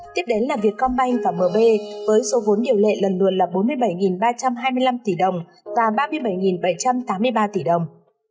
tiếp đến là vietcombank và mb với số vốn điều lệ lần lượt là bốn mươi bảy ba trăm hai mươi năm tỷ đồng và ba mươi bảy bảy trăm tám mươi ba tỷ đồng